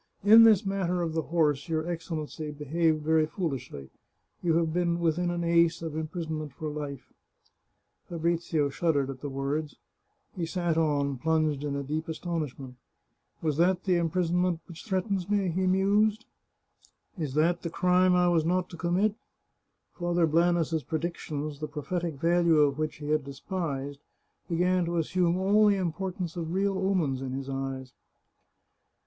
In this matter of the horse your Excellency behaved very foolishly. You have been within an ace of imprisonment for life." 1 86 The Chartreuse of Parma Fabrizio shuddered at the words. He sat on, plunged in a deep astonishment. " Was that the imprisonment which threatens me ?" he mused. " Is that the crime I was not to commit ?" Father Blanes's predictions, the prophetic value of which he had despised, began to assume all the im portance of real omens in his eyes.